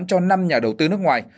cho năm nhà đầu tư nước ngoài